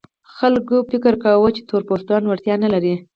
خلک فکر کاوه چې تور پوستان وړتیا نه لري.